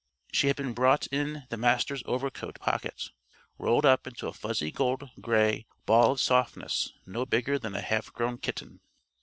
She had been brought in the Master's overcoat pocket, rolled up into a fuzzy gold gray ball of softness no bigger than a half grown kitten.